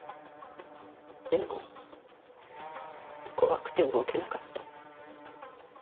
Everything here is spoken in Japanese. でも怖くて動けなかった。